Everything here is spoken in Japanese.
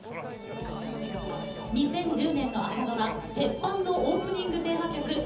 ２０１０年の朝ドラ「てっぱん」のオープニングテーマ曲「ひまわり」。